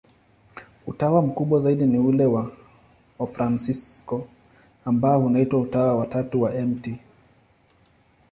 Utawa mkubwa zaidi ni ule wa Wafransisko, ambao unaitwa Utawa wa Tatu wa Mt.